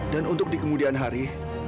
dan untuk di kemudian hari